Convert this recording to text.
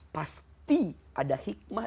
pasti ada hikmah dan ada kebaikan